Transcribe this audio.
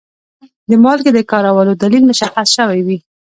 د مالګې د کارولو دلیل مشخص شوی وي.